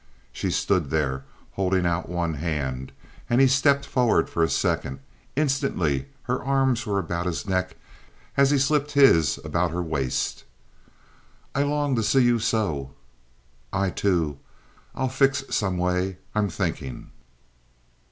She stood there, holding out one hand, and he stepped forward for a second. Instantly her arms were about his neck, as he slipped his about her waist. "I long to see you so." "I, too. I'll fix some way. I'm thinking."